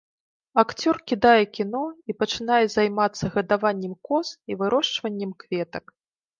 Акцёр кідае кіно і пачынае займацца гадаваннем коз і вырошчваннем кветак.